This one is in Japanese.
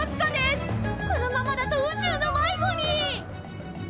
このままだと宇宙の迷子に！？